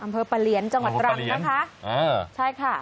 อำเภอปลาเลียนจังหวัดตรังนะคะใช่ค่ะ